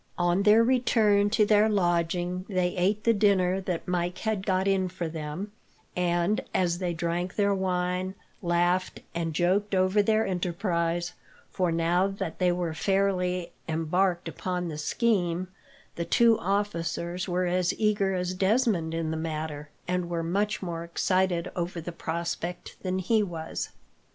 On their return to their lodging, they ate the dinner that Mike had got in for them, and, as they drank their wine, laughed and joked over their enterprise; for, now that they were fairly embarked upon the scheme, the two officers were as eager as Desmond in the matter, and were much more excited over the prospect than he was.